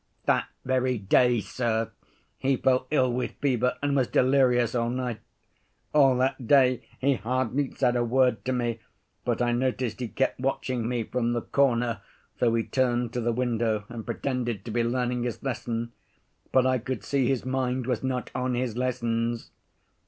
"That very day, sir, he fell ill with fever and was delirious all night. All that day he hardly said a word to me, but I noticed he kept watching me from the corner, though he turned to the window and pretended to be learning his lessons. But I could see his mind was not on his lessons.